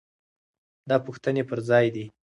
دا پوښتنې پر ځای دي.